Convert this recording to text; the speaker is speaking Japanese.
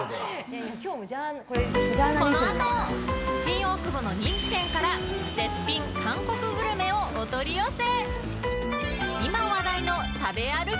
このあと新大久保の人気店から絶品韓国グルメをお取り寄せ。